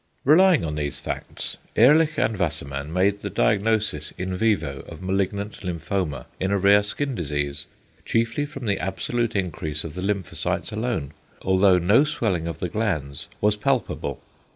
Relying on these facts Ehrlich and Wassermann (Dermatolog. Zeitschr. Vol. I., 1894) made the diagnosis in vivo of malignant lymphoma in a rare skin disease, chiefly from the absolute increase of the lymphocytes alone, although no swelling of the glands was palpable.